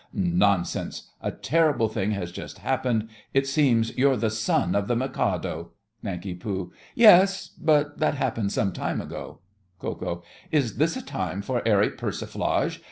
Nonsense! A terrible thing has just happened. It seems you're the son of the Mikado. NANK. Yes, but that happened some time ago. KO. Is this a time for airy persiflage?